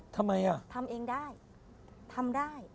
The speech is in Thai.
ทำไมอ่ะทำเองได้ทำได้